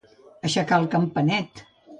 Aixecar el campament.